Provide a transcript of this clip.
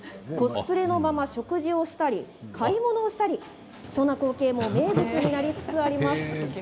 コスプレのまま食事をしたり買い物をしたり、その光景も名物になりつつあります。